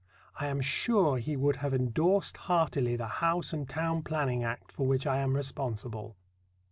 I am sure he would have endorsed heartily the House and Town Planning Act for which I am responsible.